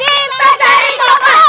kita cari tauper